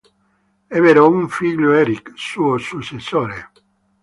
Ebbero un figlio Erich, suo successore.